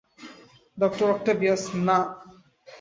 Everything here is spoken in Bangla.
ডক্টর অক্ট্যাভিয়াস, না।